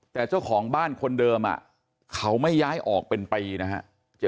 แต่เจ้าของบ้านคนเดิมเขาไม่ย้ายออกเป็นปีนะฮะ